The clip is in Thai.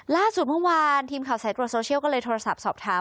ล่าสุดเมื่อวานทีมข่าวสายตรวจโซเชียลก็เลยโทรศัพท์สอบถาม